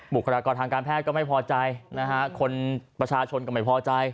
บุคลากรทางการแพทย์ก็ไม่พอใจนะฮะคนประชาชนก็ไม่พอใจ